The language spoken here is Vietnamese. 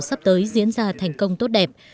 sắp tới diễn ra thành công tốt đẹp